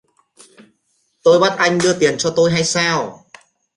tôi bắt anh đưa tiền cho tôi hay sao